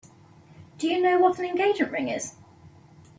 Do you know what an engagement ring is?